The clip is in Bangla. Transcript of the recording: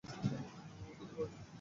উটি থেকে অর্জুন।